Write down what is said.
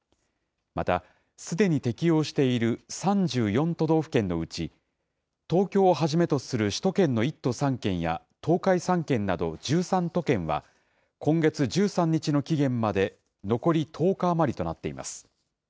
また、すでに適用している３４都道府県のうち、東京をはじめとする首都圏の１都３県や東海３県など１３都県は、今月１３日の期限まで残り１０日余りとなっています。